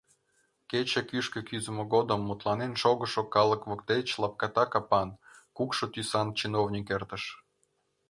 Кече кӱшкӧ кӱзымӧ годым мутланен шогышо калык воктеч лапката капан, кукшо тӱсан чиновник эртыш.